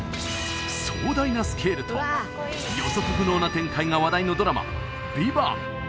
壮大なスケールと予測不能な展開が話題のドラマ「ＶＩＶＡＮＴ」